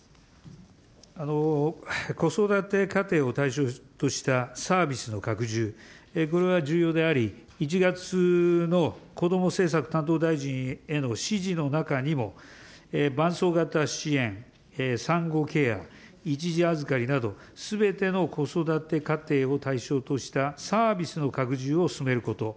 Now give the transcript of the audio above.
子育て家庭を対象としたサービスの拡充、これは重要であり、１月のこども政策担当大臣への指示の中にも、伴走型支援、産後ケア、一時預かりなど、すべての子育て家庭を対象としたサービスの拡充を進めること。